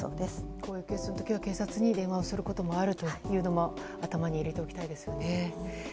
こういう時は警察に電話をすることもあるというのも頭に入れておきたいですね。